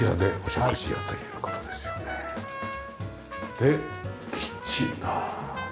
でキッチンだ。